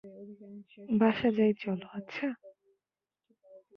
বাসা যাই চলো, আচ্ছা?